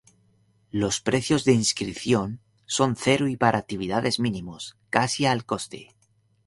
Los precios de inscripción son cero y para actividades mínimos, casi al coste.